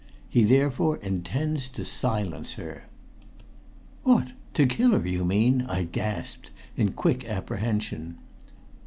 He therefore intends to silence her." "What! to kill her, you mean?" I gasped, in quick apprehension.